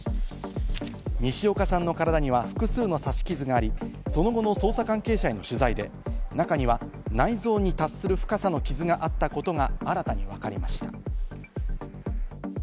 西岡さんの体には複数の刺し傷があり、その後の捜査関係者への取材で、中には内臓に達する深さの傷があったことが新たに分かりました。